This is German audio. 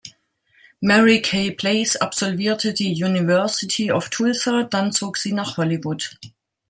Mary Kay Place absolvierte die University of Tulsa, dann zog sie nach Hollywood.